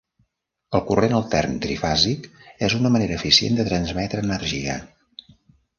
El corrent altern trifàsic és una manera eficient de transmetre energia.